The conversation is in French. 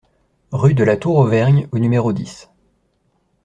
Rue de la Tour Auvergne au numéro dix